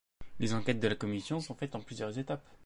Les enquêtes de la commission sont faites en plusieurs étapes.